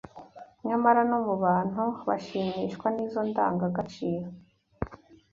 Nyamara no mu bantu bashimishwa n’izo ndangagaciro